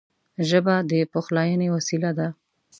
ژبه د پخلاینې وسیله ده